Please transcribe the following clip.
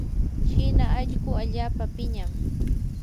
china allquu allaapa piñam.